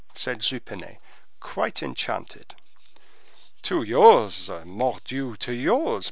said Jupenet, quite enchanted. "To yours, mordioux, to yours.